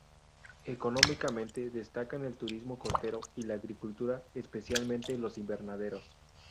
Económicamente, destacan el turismo costero y la agricultura, especialmente los invernaderos.